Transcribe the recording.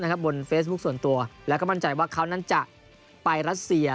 โปสต์นะครับบนเฟซบุ๊คส่วนตัวแล้วก็มั่นใจว่าเขานั้นจะไปรัฐเสีย